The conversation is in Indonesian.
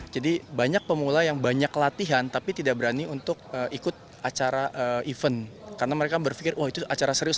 jadi banyak pemula yang banyak latihan tapi tidak berani untuk ikut acara event karena mereka berpikir itu acara serius